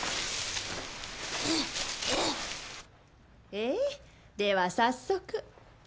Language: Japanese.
ええでは早速。